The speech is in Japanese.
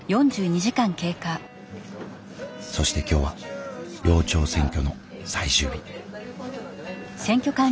そして今日は寮長選挙の最終日。